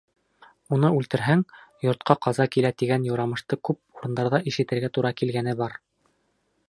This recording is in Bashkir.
Уны үлтерһәң, йортҡа ҡаза килә тигән юрамышты күп урындарҙа ишетергә тура килгәне бар.